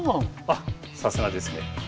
あっさすがですね。